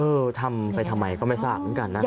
ทำไปทำไมก็ไม่ทราบเหมือนกันนะ